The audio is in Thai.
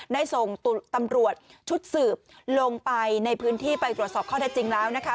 ได้ส่งตำรวจชุดสืบลงไปในพื้นที่ไปตรวจสอบข้อได้จริงแล้วนะคะ